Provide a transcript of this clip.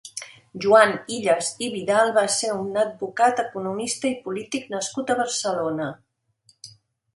Joan Illas i Vidal va ser un advocat, economista i polític nascut a Barcelona.